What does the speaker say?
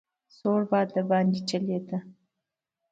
سوړ باد دباندې چلېده.